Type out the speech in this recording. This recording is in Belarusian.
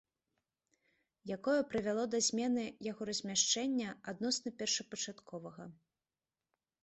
Якое прывяло да змены яго размяшчэння адносна першапачатковага